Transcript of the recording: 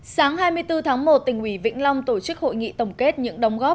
sáng hai mươi bốn tháng một tỉnh ủy vĩnh long tổ chức hội nghị tổng kết những đóng góp